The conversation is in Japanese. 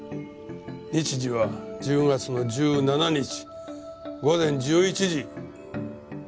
日時は１０月の１７日午前１１時。